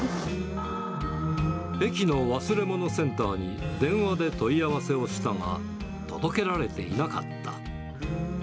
駅の忘れ物センターに電話で問い合わせをしたが、届けられていなかった。